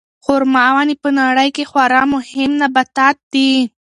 خورما ونې په نړۍ کې خورا مهم نباتات دي.